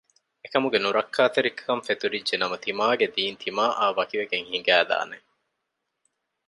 އެކަމުގެ ނުރައްކާތެރިކަން ފެތުރިއްޖެނަމަ ތިމާގެ ދީން ތިމާއާ ވަކިވެގެން ހިނގައިދާނެ